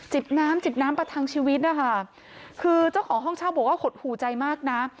น้ำจิบน้ำประทังชีวิตนะคะคือเจ้าของห้องเช่าบอกว่าหดหูใจมากนะ